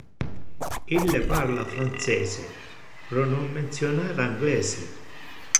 Ille parla francese, pro non mentionar anglese.